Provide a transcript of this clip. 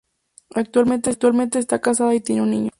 Actualmente está casada y tiene un niño.